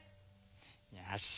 よし。